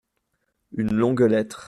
Une longue lettre.